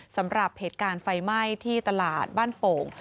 สำหรับเหตุการณ์ไฟไหม้ที่ตลาดบ้านโป่ง